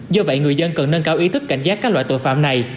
do vậy người dân cần nâng cao ý thức cảnh giác các loại tội phạm này